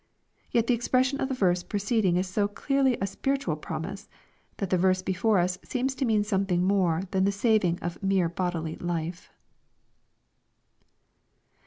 Yet the expression of the verse preceding is so clearly a spiritual promise, that the verse before us seems to mean something more than the saving of mere bodily life.